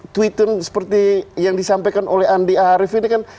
tweetan seperti yang disampaikan oleh andi arief ini kan